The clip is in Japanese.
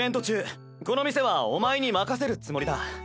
この店はお前に任せるつもりだ。